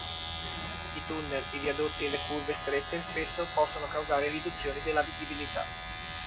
I tunnel, i viadotti e le curve strette spesso possono causare riduzioni della visibilità.